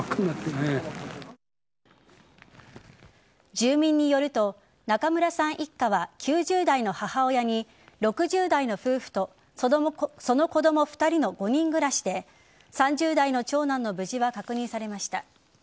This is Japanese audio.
住民によると中村さん一家は９０代の母親に６０代の夫婦とその子供２人の５人暮らしで３０代の長男の無事は確認されました。